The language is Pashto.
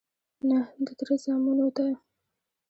_نه، د تره زامنو ته..